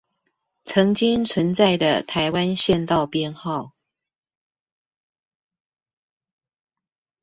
曾經存在的台灣縣道編號